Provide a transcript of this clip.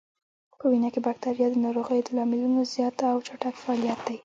په وینه کې بکتریا د ناروغیو د لاملونو زیات او چټک فعالیت دی.